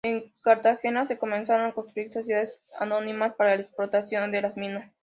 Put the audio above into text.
En Cartagena se comenzaron a constituir sociedades anónimas para la explotación de las minas.